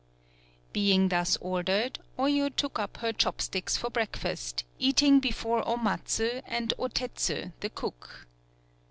Being thus ordered, Oyo took up her chopsticks for breakfast, eating before Omatsu and Otetsu the cook.